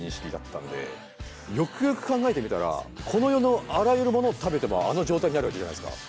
よくよく考えてみたらこの世のあらゆるものを食べてもあの状態になるわけじゃないですか。